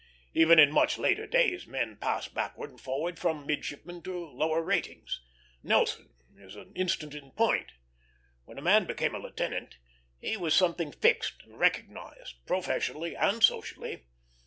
Even in much later days men passed backward and forward from midshipman to lower ratings; Nelson is an instance in point. When a man became a lieutenant, he was something fixed and recognized, professionally and socially.